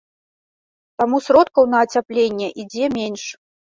Таму сродкаў на ацяпленне ідзе менш.